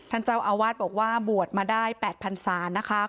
ท่านเจ้าอาวาสบอกว่าบวชมาได้๘๐๐ศาลนะคะ